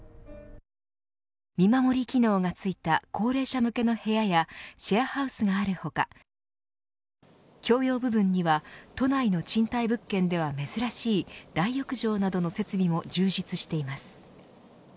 見守り機能がついた高齢者向けの部屋やシェアハウスがある他共用部分には都内の賃貸物件では珍しい大浴場などの設備も充実しています。